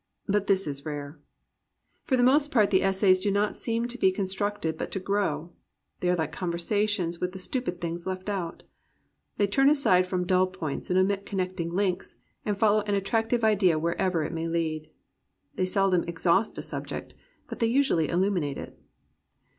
But this is rare. For the most part the essays do not seem to be con structed but to grow. They are Hke conversations with the stupid things left out. They turn aside from dull points, and omit connecting links, and follow an attractive idea wherever it may lead. They seldom exhaust a subject, but they usually illuminate it.